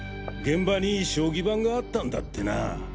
現場に将棋盤があったんだってな。